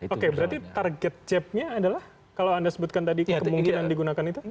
oke berarti target capnya adalah kalau anda sebutkan tadi kemungkinan digunakan itu